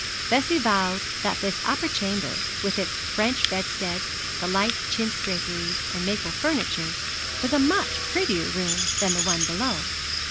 Bessie vowed that this upper chamber, with its French bedstead, and light chintz draperies, and maple furniture, was a much prettier room than the one below.